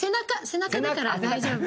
背中だから大丈夫。